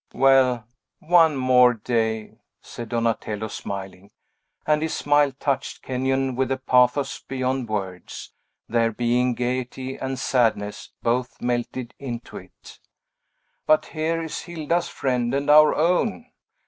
"Well, one more day," said Donatello, smiling; and his smile touched Kenyon with a pathos beyond words, there being gayety and sadness both melted into it; "but here is Hilda's friend, and our own.